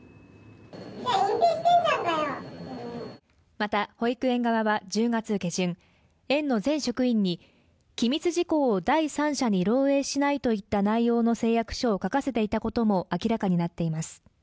また保育園側は１０月下旬園の全職員に機密事項を第三者に漏洩しないといった内容の誓約書を書かせていたことも明らかになっています